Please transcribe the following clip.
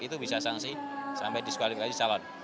itu bisa sanksi sampai diskualifikasi calon